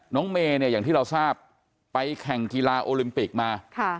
เมย์เนี่ยอย่างที่เราทราบไปแข่งกีฬาโอลิมปิกมา